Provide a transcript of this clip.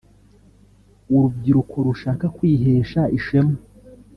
urubyiruko rushaka kwihesha ishema